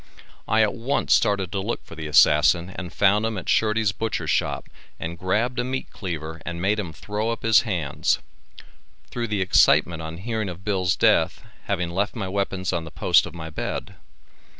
I at once started to look for the assassian and found him at Shurdy's butcher shop and grabbed a meat cleaver and made him throw up his hands; through the excitement on hearing of Bill's death, having left my weapons on the post of my bed.